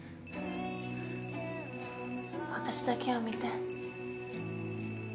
私だけを見て。